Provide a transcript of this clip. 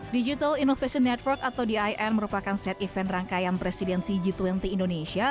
digital innovation network atau din merupakan set event rangkaian presidensi g dua puluh indonesia